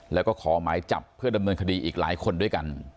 แล้วก็ขอหมายจับเพื่อดำเนินคดีอีกหลายคนด้วยกัน